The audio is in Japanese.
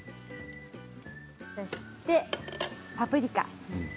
そしてパプリカ。